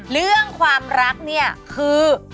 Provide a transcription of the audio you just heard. เรื่องความรักเนี่ยคือ